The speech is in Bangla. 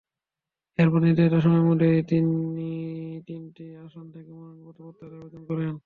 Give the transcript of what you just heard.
এরপর নির্ধারিত সময়ের মধ্যেই তিনি তিনটি আসন থেকে মনোনয়নপত্র প্রত্যাহারের আবেদন করেন।